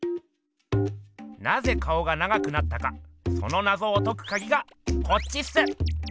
なぜ顔が長くなったかそのナゾを解くカギがこっちっす！